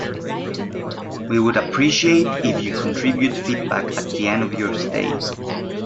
We would appreciate if you contribute feedback at the end of your stay.